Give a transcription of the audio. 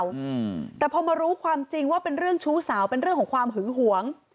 อืมแต่พอมารู้ความจริงว่าเป็นเรื่องชู้สาวเป็นเรื่องของความหึงหวง